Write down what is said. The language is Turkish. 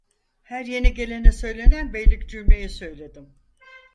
Her yeni gelene söylenen beylik cümleyi söyledim.